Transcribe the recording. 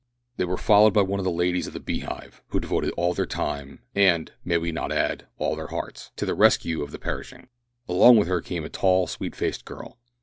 They were followed by one of the ladies of the Beehive, who devote all their time and, may we not add, all their hearts to the rescue of the perishing. Along with her came a tall, sweet faced girl.